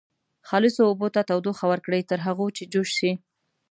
خالصو اوبو ته تودوخه ورکړئ تر هغو چې جوش شي.